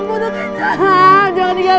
butuh kicap jangan tinggal gua